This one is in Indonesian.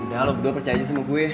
udah lu berdua percaya aja sama gue